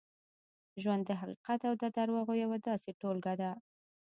ژوند د حقیقت او درواغو یوه داسې ټولګه ده.